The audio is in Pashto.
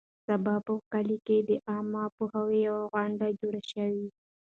سبا به په کلي کې د عامه پوهاوي یوه غونډه جوړه شي.